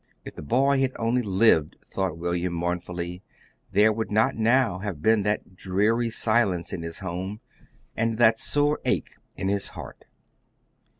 If the boy had only lived, thought William, mournfully, there would not now have been that dreary silence in his home, and that sore ache in his heart.